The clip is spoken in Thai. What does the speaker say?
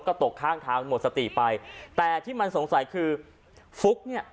ก็ตกข้างทางหมดสติไปแต่ที่มันสงสัยคือฟุ๊กเนี่ย